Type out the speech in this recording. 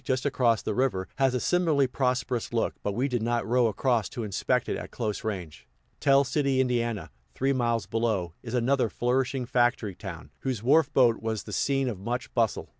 just across the river, has a similarly prosperous look, but we did not row across to inspect it at close range. Tell City, Ind., three miles below, is another flourishing factory town, whose wharf boat was the scene of much bustle.